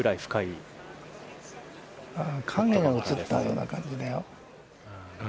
選手の影が映ったような感じだよ。